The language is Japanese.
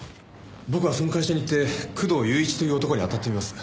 僕はその会社に行って工藤勇一という男に当たってみます。